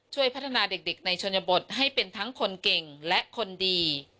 ช่วยพัฒนาเด็กในชนบทให้เป็นทั้งคนเก่งและคนดี